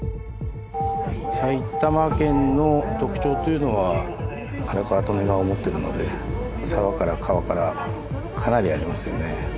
埼玉県の特徴というのは荒川利根川を持ってるので沢から川からかなりありますよね。